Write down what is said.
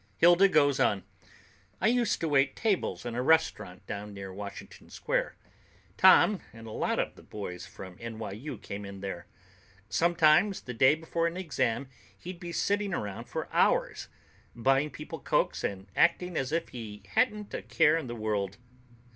Hilda goes on: "I used to wait tables in a restaurant down near Washington Square. Tom and a lot of the boys from NYU came in there. Sometimes the day before an exam he'd be sitting around for hours, buying people cokes and acting as if he hadn't a care in the world.